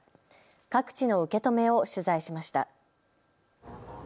各地の受け止めを取材しました。